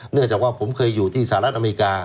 เนื่องจากว่าผมเคยอยู่ที่สหรัฐอเมริกา